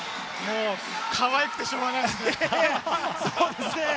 かわいくてしょうがないですね。